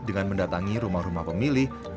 dengan mendatangi rumah rumah pemilih